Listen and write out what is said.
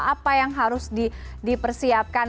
apa yang harus dipersiapkan